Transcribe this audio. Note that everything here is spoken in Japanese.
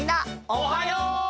おはよう！